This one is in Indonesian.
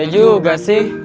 mati juga sih